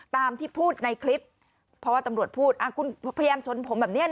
ตามที่พูดในคลิปเพราะว่าตำรวจพูดคุณพยายามชนผมแบบนี้